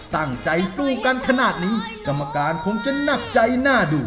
ตั้งใจสู้กันขนาดนี้กรรมการคงจะหนักใจน่าดู